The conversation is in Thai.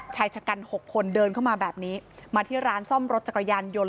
ชายชะกัน๖คนเดินเข้ามาแบบนี้มาที่ร้านซ่อมรถจักรยานยนต